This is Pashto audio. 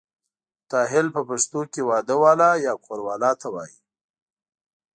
متاهل په پښتو کې واده والا یا کوروالا وایي.